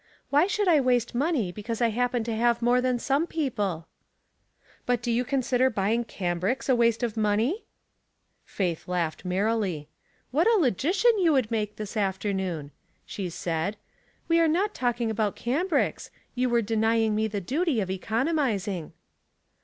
" Why should I waste money because I happen to have more than some people ?"" But do you consider buying cambrics a waste of money ?" Faith laughed merrily. " What a logician you would make this afternoon !" she said. "We were not talking about cambrics — you were denying me the duty of economizing."